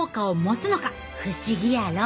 不思議やろ？